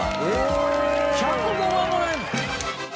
１０５万もらえるの！？